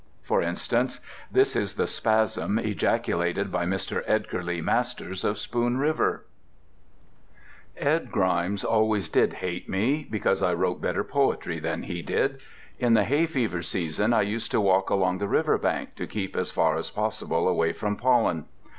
For instance, this is the spasm ejaculated by Mr. Edgar Lee Masters, of Spoon River: Ed Grimes always did hate me Because I wrote better poetry than he did. In the hay fever season I used to walk Along the river bank, to keep as far as possible Away from pollen.